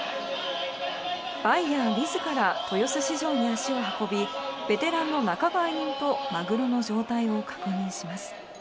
バイヤー自ら豊洲市場に足を運びベテランの仲買人とマグロの状態を確認します。